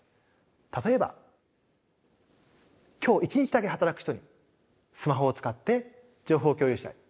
例えば今日一日だけ働く人にスマホを使って情報を共有したい。